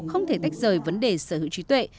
không thể tách rời vấn đề sở hữu trí tuệ